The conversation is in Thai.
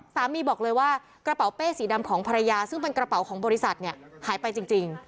สามีบอกเลยว่ากระเป๋าเป้สีดำของภรรยาซึ่งเป็นกระเป๋าของบริษัทเนี่ยหายไปจริง